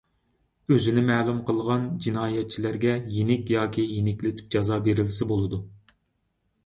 ئۆزىنى مەلۇم قىلغان جىنايەتچىلەرگە يېنىك ياكى يېنىكلىتىپ جازا بېرىلسە بولىدۇ.